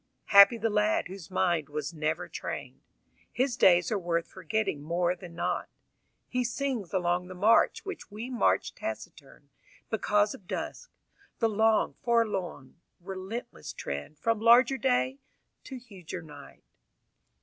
Happy the lad whose mind was never trained: His days are worth forgetting more than not. He sings along the march Which we march taciturn, because of dusk, The long, forlorn, relentless trend From larger day to huger night.